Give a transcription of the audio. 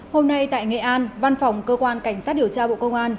hôm nay tại nghệ an văn phòng cơ quan cảnh sát điều tra bộ công an